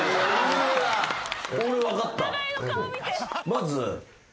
まず。